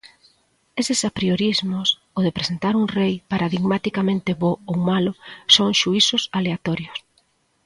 Eses apriorismos, o de presentar un rei paradigmaticamente bo ou malo, son xuízos aleatorios.